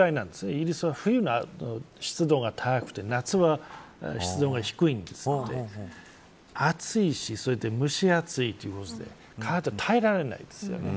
イギリスは冬になると湿度が高くて夏は湿度が低いので暑いし、それで蒸し暑いということで体が耐えられないですよね。